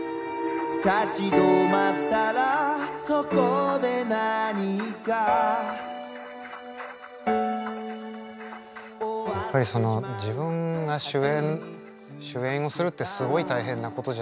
立ち止まったらそこで何かやっぱりその自分が主演をするってすごい大変なことじゃない。